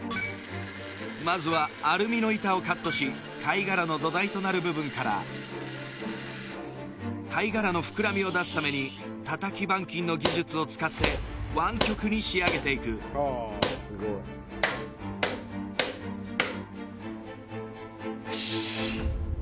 まずはアルミの板をカットし貝殻の土台となる部分から貝殻の膨らみを出すためにタタキ板金の技術を使って湾曲に仕上げていくよし